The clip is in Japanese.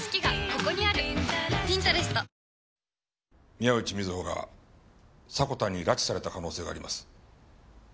宮内美津保が迫田に拉致された可能性があります。